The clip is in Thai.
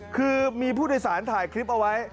คือมีผู้โดยสารถ่ายคลิปเอาไว้